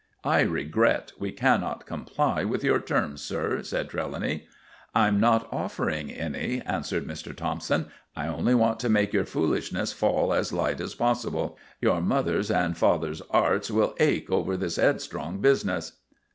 "I regret we cannot comply with your terms, sir," said Trelawny. "I'm not offering any," answered Mr. Thompson. "I only want to make your foolishness fall as light as possible. Your mothers' and fathers' 'earts will ache over this headstrong business."